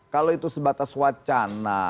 kalau itu sebatas wacana